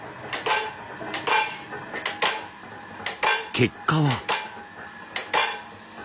結果は？